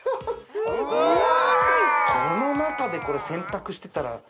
すごい！わ！